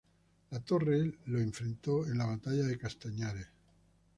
Latorre lo enfrentó en la batalla de Castañares.